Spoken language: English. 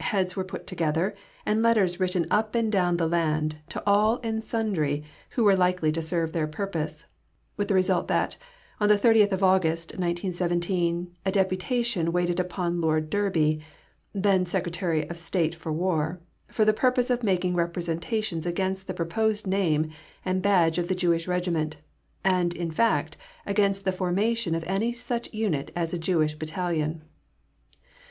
Heads were put together, and letters written up and down the land to all and sundry who were likely to serve their purpose, with the result that, on the 30th August, 1917, a deputation waited upon Lord Derby (then Secretary of State for War), for the purpose of making representations against the proposed name and badge of the Jewish Regiment, and, in fact, against the formation of any such unit as a Jewish Battalion.